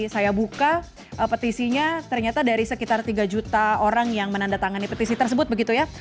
saya buka petisinya ternyata dari sekitar tiga juta orang yang menandatangani petisi tersebut begitu ya